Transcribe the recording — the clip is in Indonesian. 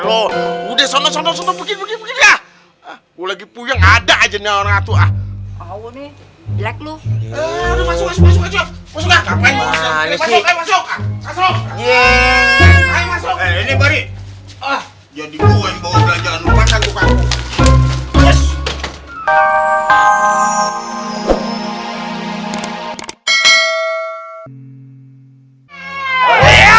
lo udah sono sono sono begini begini ah lagi puyeng ada aja nih orang atuh ah awal nih